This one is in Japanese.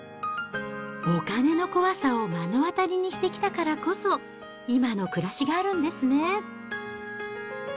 お金の怖さを目の当たりにしてきたからこそ、今の暮らしがあるんですね。